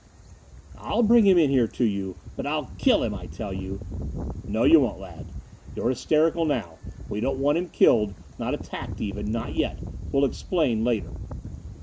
"I'll bring him in here to you! But I'll kill him, I tell you!" "No you won't, lad. You're hysterical now. We don't want him killed, not attacked even. Not yet. We'll explain later."